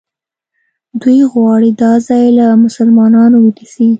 دوی غواړي دا ځای له مسلمانانو ونیسي.